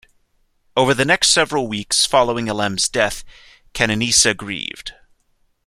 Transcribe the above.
Over the next several weeks following Alem's death, Kenenisa grieved.